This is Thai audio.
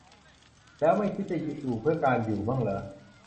แล้วไม่คิดจะเพื่อ 'การอยู่' มั่งเหรอ ?